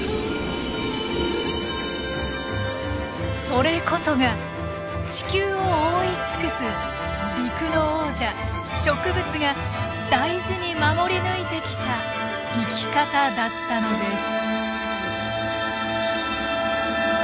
それこそが地球を覆い尽くす陸の王者植物が大事に守り抜いてきた生き方だったのです。